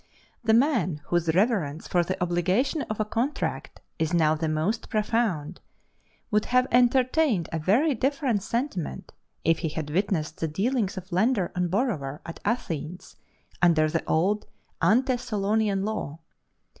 The man whose reverence for the obligation of a contract is now the most profound, would have entertained a very different sentiment if he had witnessed the dealings of lender and borrower at Athens under the old ante Solonian law.